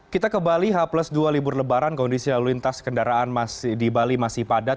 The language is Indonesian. kita ke bali h plus dua libur lebaran kondisi lalu lintas kendaraan di bali masih padat